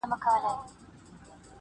ژوند راته لنډوکی د شبنم راکه,